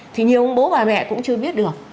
thì nhiều ông bố bà mẹ cũng chưa biết được